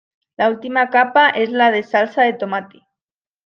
La última capa es la de salsa de tomate.